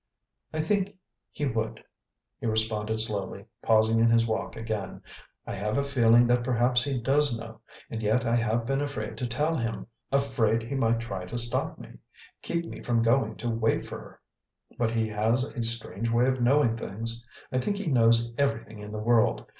"I think he would," he responded slowly, pausing in his walk again. "I have a feeling that perhaps he does know, and yet I have been afraid to tell him, afraid he might try to stop me keep me from going to wait for her. But he has a strange way of knowing things; I think he knows everything in the world!